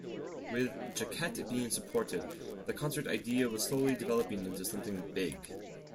With Jacquette being supportive, the concert idea was slowly developing into something big.